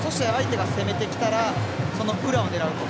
攻めてきたら、その裏を狙うと。